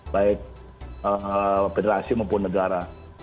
baik federasi maupun negara